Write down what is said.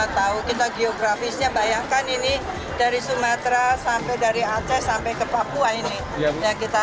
tantangannya saya kira kita semua harus mencari vaksinasi